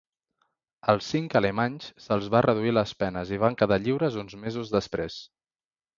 Als cinc alemanys se'ls va reduir les penes i van quedar lliures uns mesos després.